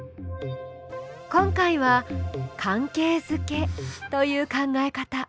今回は「関係づけ」という考え方。